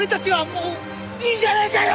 もういいじゃねえかよ！